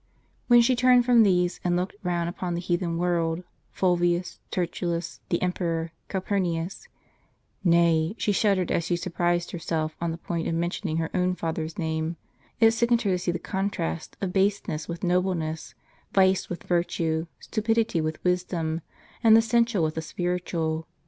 When she turned from these, and looked round upon the heathen world, Fulvius, Tertullus, the Emperor, Calpurnius, — nay, she shuddered as she surprised herself on the point of mentioning her own father's name — it sickened her to see the contrast of baseness with nobleness, vice with virtue, stupidity with wisdom, and the sensual with the spiritual.